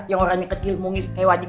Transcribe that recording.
yang orangnya kecil mungis hewajib